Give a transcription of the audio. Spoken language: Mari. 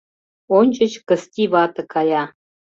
Ончыч Кысти вате кая.